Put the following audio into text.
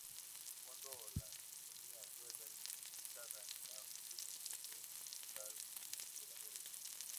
Fundó la compañía Weber, especializada en la fabricación de carburadores.